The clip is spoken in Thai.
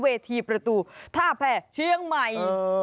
เวทีประตูท่าแผ่เชียงใหม่